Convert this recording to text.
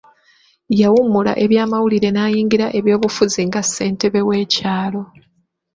Yawummula ebyamawulire n'ayingira ebyobufuzi nga ssentebe w'ekyalo.